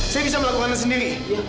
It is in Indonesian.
saya bisa melakukan sendiri